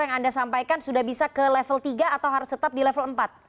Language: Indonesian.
yang anda sampaikan sudah bisa ke level tiga atau harus tetap di level empat